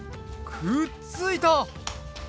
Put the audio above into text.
くっついた！